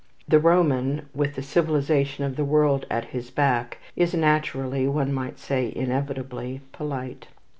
The Roman, with the civilization of the world at his back, is naturally, one might say inevitably, polite.